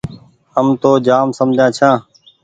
هم تو جآم سمجها ڇآن۔